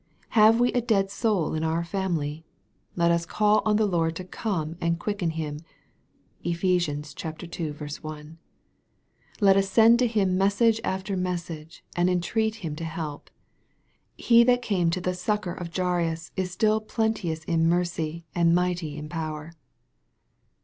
Have we a dead soul in our family ? Let us call on the Lord to come and quicken him. (Eph. ii. 1.) Let us send to Him message after message, and entreat Him to help. He that came to the succor of Jairus is still plenteous in mercy, and mighty in power.